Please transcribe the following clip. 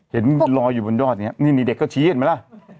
เห็นรออยู่บนดอดเนี่ยนี่เด็กเขาชี้เห็นไหมล่ะ